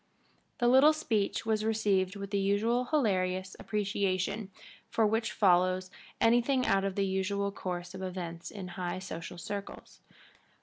The little speech was received with the usual hilarious appreciation which follows anything out of the usual course of events in high social circles.